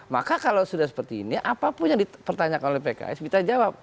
maka kalau sudah seperti ini apapun yang dipertanyakan oleh pks kita jawab